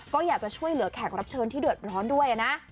ก็อยากจะช่วยเหลือแขกรับเชิญที่เดือดร้อนด้วยนะ